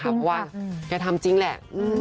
เพราะว่าแกทำจริงแหละ